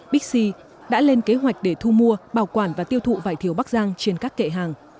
bixi đã lên kế hoạch để thu mua bảo quản và tiêu thụ vải thiều bắc giang trên các kệ hàng